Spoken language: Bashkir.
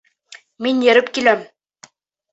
Мин йөрөп киләм.